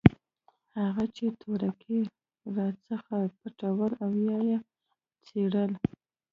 هغه چې تورکي راڅخه پټول او يا يې څيرل.